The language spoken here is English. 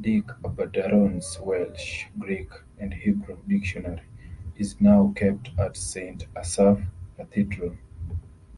Dic Aberdaron's Welsh, Greek, and Hebrew dictionary is now kept at Saint Asaph Cathedral.